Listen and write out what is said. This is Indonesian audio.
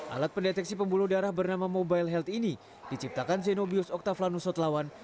alat pendeteksi pembuluh darah bernama mobile health ini diciptakan zenobius octavlanusatlawan